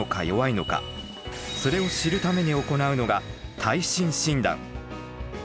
それを知るために行うのが耐震診断。